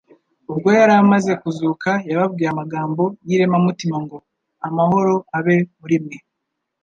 ubwo yari amaze kuzuka yababwiye amagambo y'iremamutima ngo : "amahoro abe muri mwe."